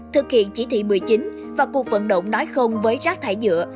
thực hiện chỉ thị một mươi chín và cuộc vận động nói không với rác thải nhựa